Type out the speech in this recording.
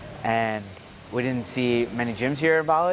dan kami tidak melihat banyak gym di bali